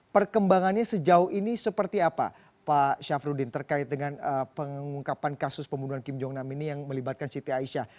perkembangannya sejauh ini seperti apa pak syafruddin terkait dengan pengungkapan kasus pembunuhan kim jong nam ini yang melibatkan siti aisyah